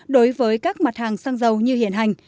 đối với các mặt hàng xăng dầu như hiện hành